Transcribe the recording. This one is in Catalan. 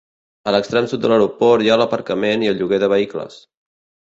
A l'extrem sud de l'aeroport hi ha l'aparcament i el lloguer de vehicles.